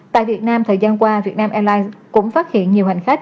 tại việt nam thời gian qua việt nam airlines cũng phát hiện nhiều hành khách